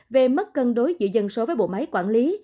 về mất cân đối giữa dân số với bộ máy quản lý